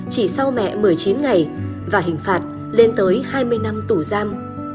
chỉ sau mẹ một mươi chín ngày và hình phạt lên tới hai mươi năm tù giam